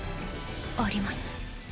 あります。